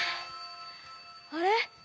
あれ？